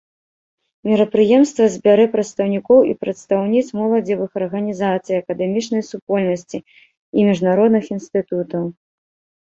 Мерапрыемства збярэ прадстаўнікоў і прадстаўніц моладзевых арганізацый, акадэмічнай супольнасці і міжнародных інстытутаў.